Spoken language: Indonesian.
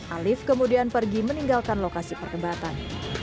alif kemudian pergi meninggalkan lokasi perdebatan